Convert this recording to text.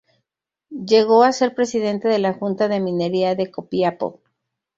Llegó a ser presidente de la Junta de Minería de Copiapó.